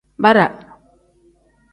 Bara.